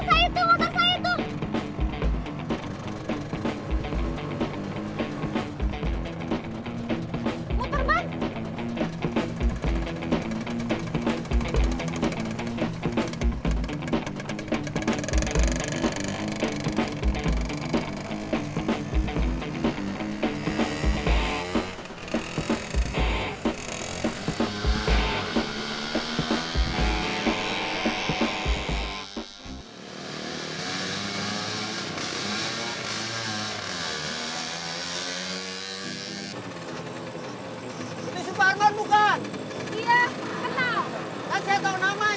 saya tau namanya berarti kenal bro